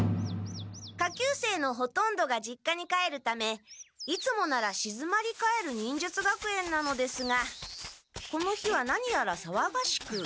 下級生のほとんどが実家に帰るためいつもならしずまり返る忍術学園なのですがこの日は何やらさわがしく。